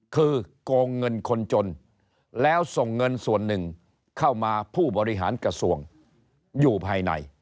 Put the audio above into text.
คือโกงเงินคนจนแล้วส่งเงินส่วนหนึ่งเข้ามาผู้บริหารกระทรวงอยู่ภายใน